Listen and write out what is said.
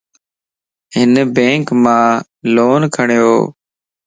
ھن بينڪ مان لون کَڙيوَ